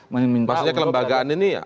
maksudnya kelembagaan ini ya